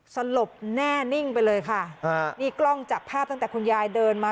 สลบแน่นิ่งไปเลยค่ะฮะนี่กล้องจับภาพตั้งแต่คุณยายเดินมา